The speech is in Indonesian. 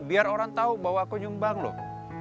biar orang tahu bahwa aku nyumbang loh